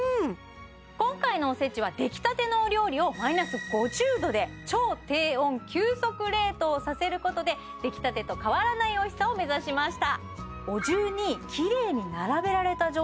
今回のおせちは出来たてのお料理をマイナス５０度で超低温急速冷凍させることで出来たてと変わらないおいしさを目指しました